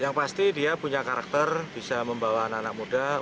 yang pasti dia punya karakter bisa membawa anak anak muda